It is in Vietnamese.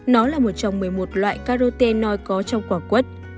nó là một trong một mươi một loại carotenoid